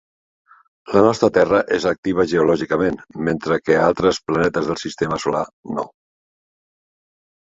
La nostra terra és activa geològicament, mentre que altres planetes del sistema solar no.